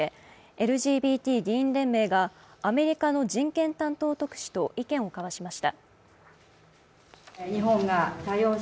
ＬＧＢＴ議員連盟がアメリカの人権担当特使と意見を交わしました。